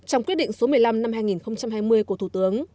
trong quyết định số một mươi năm năm hai nghìn hai mươi của thủ tướng